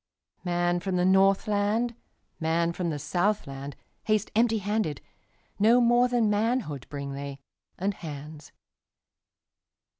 Man from the Northland, Man from the Southland, Haste empty handed; No more than manhoodBring they, and hands.